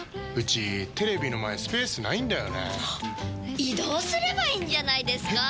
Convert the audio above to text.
移動すればいいんじゃないですか？